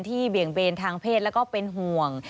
ที่เบี่ยงเบนทางเพศและเป็นห่วง